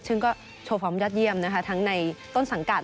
ซึ่งก็โชว์ฟอร์มยอดเยี่ยมนะคะทั้งในต้นสังกัด